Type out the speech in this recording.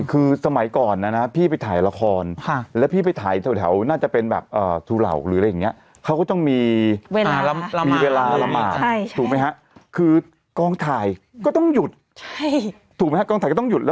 แล้วตอนนี้กรุงเทพฯทำใจแบบนี้อย่างตรงราบปะเขาเห็นไหมล่ะ